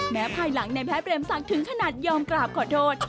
ภายหลังในแพทย์เปรมศักดิ์ถึงขนาดยอมกราบขอโทษ